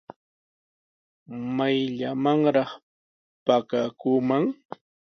¿Mayllamanraq pakakuuman?